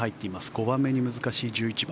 ５番目に難しい１１番。